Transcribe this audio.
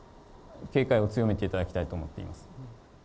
警戒を強めていただきたいと思っています。